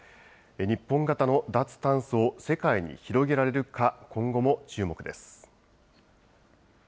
日本型の脱炭素を世界に広げられるか、今後も注目です。